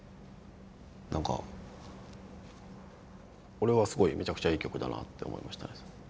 なんか俺はすごいめちゃくちゃいい曲だなって思いましたね。